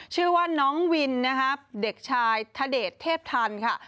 ชื่อว่าน้องวินนะครับเด็กชายธเดชเทพทันค่ะ